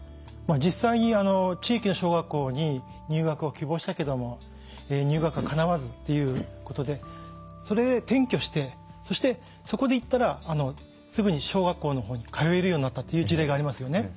実際に地域の小学校に入学を希望したけども入学がかなわずっていうことでそれで転居してそこで行ったらすぐに小学校の方に通えるようになったという事例がありますよね。